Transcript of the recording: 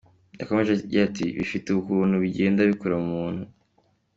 Yakomeje agira ati “Bifite ukuntu bigenda bikura mu muntu.